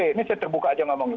ini saya terbuka aja ngomong